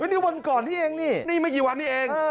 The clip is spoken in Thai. นี่วันก่อนนี้เองนี่นี่ไม่กี่วันนี้เอง